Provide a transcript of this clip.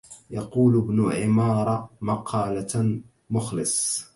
يقول ابن عمار مقالة مخلص